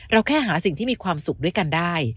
แค่หาสิ่งที่มีความสุขด้วยกันได้